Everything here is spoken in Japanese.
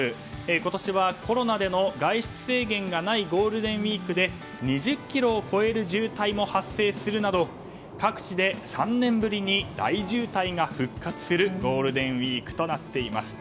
今年はコロナでの外出制限がないゴールデンウィークで２０ｋｍを超える渋滞も発生するなど各地で３年ぶりに大渋滞が復活するゴールデンウィークとなっています。